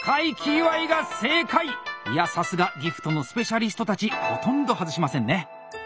いやさすがギフトのスペシャリストたちほとんど外しませんね。